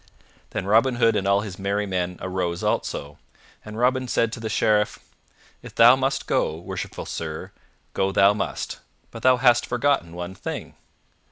Then Robin Hood and all his merry men arose also, and Robin said to the Sheriff, "If thou must go, worshipful sir, go thou must; but thou hast forgotten one thing."